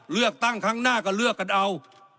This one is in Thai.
เลือกตั้งครั้งหน้าก็เลือกกันเอา